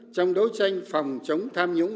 trong đấu tranh phòng chống tham nhũng